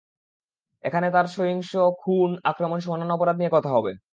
এখানে তার সহিংস খুন, আক্রমণসহ অন্যান্য অপরাধ নিয়ে কথা হবে।